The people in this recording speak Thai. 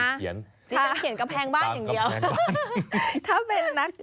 จริงเขียนกระแพงบ้านอย่างเดียว